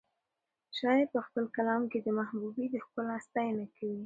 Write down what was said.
شاعر په خپل کلام کې د محبوبې د ښکلا ستاینه کوي.